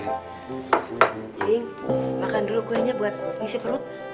makan dulu kuenya buat ngisi perut